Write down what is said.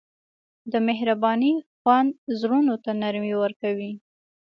د مهربانۍ خوند زړونو ته نرمي ورکوي.